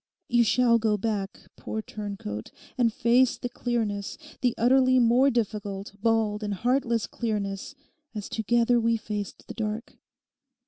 You shall go back, poor turncoat, and face the clearness, the utterly more difficult, bald, and heartless clearness, as together we faced the dark.